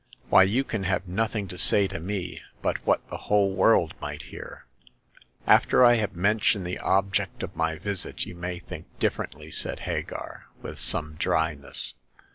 " Why, you can have nothing to say to me but w^hat the whole world might hear !" "After I have mentioned the object of my visit you may think differently," said Hagar, with some dryness.